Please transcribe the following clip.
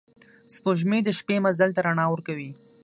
سپوږمۍ د شپې مزل ته رڼا ورکوي